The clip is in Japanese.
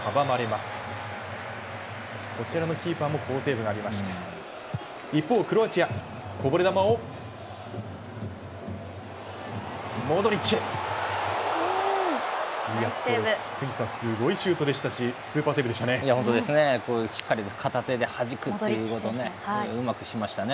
すごいシュートでしたしスーパーセーブでしたね。